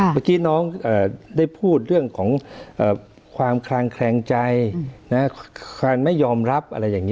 เมื่อกี้น้องได้พูดเรื่องของความคลางแคลงใจการไม่ยอมรับอะไรอย่างนี้